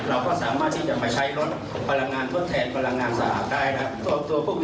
เราก็สามารถที่จะมาใช้รถพลังงานทดแทนพลังงานสะอาดได้นะครับ